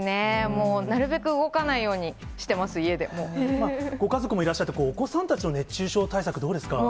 もうなるべく動かないようにしてご家族もいらっしゃって、お子さんたちの熱中症対策、どうですか？